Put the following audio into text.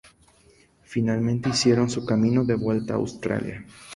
Finalmente hicieron su camino de vuelta a Australia.